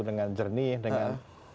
dengan jernih dengan